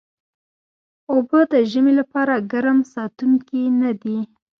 اوبه د ژمي لپاره ګرم ساتونکي نه دي